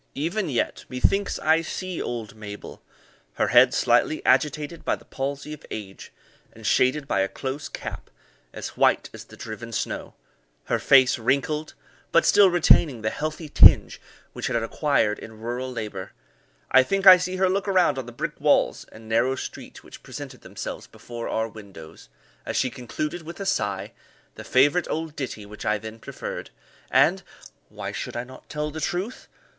Even yet, methinks I see old Mabel, her head slightly agitated by the palsy of age, and shaded by a close cap, as white as the driven snow, her face wrinkled, but still retaining the healthy tinge which it had acquired in rural labour I think I see her look around on the brick walls and narrow street which presented themselves before our windows, as she concluded with a sigh the favourite old ditty, which I then preferred, and why should I not tell the truth?